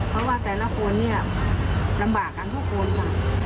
เพราะว่าแต่ละคนเนี่ยลำบากกันทุกคนค่ะ